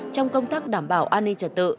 trong công tác đảm bảo an ninh trật tự